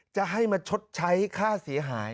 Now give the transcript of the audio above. จะให้มาชดใช้ค่าเสียหาย